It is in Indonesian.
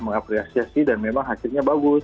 mengapresiasi dan memang akhirnya bagus